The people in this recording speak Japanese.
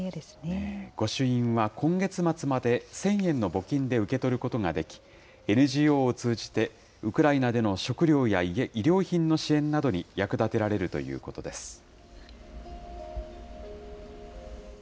御朱印は今月末まで１０００円の募金で受け取ることができ、ＮＧＯを通じて、ウクライナでの食糧や医療品の支援などに役立てられるということです。